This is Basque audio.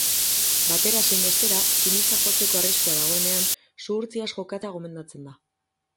Batera zein bestera, tximista jotzeko arriskua dagoenean, zuhurtziaz jokatzea gomendatzen da.